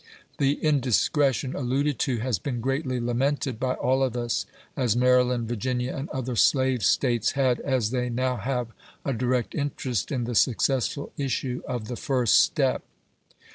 The indiscretion alluded to has been greatly lamented by all of us, as Maryland, Virginia, and other slave States, had, as they now have, a direct interest in the successful issue of the first step.